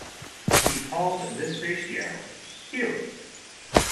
He called this ratio "Q".